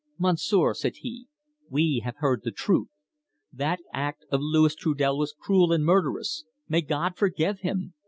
"Monsieur," said he, "we have heard the truth. That act of Louis Trudel was cruel and murderous. May God forgive him!